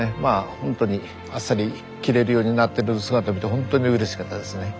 ほんとにあっさり切れるようになってる姿見てほんとにうれしかったですね。